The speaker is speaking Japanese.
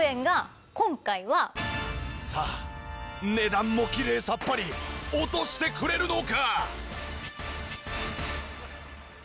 さあ値段もきれいさっぱり落としてくれるのか！？